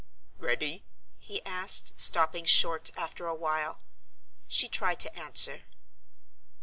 "Ready?" he asked, stopping short after a while. She tried to answer.